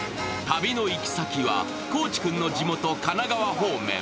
旅の行き先は高地君の地元、神奈川方面。